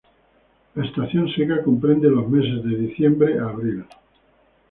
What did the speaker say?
La estación seca comprende los meses de diciembre a abril.